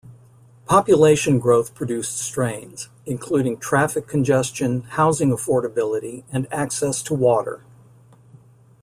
Population growth produced strains, including traffic congestion, housing affordability, and access to water.